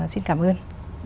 xin cảm ơn